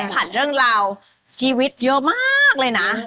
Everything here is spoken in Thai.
ผ่านเรื่องราวชีวิตเยอะมากเลยนะ